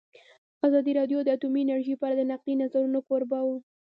ازادي راډیو د اټومي انرژي په اړه د نقدي نظرونو کوربه وه.